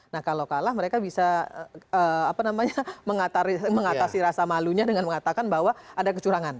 nah kalau kalah mereka bisa mengatasi rasa malunya dengan mengatakan bahwa ada kecurangan